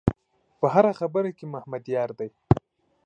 په هره خبره کې محمد یار دی.